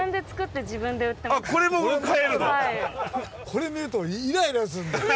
これ見るとイライラするんだよ。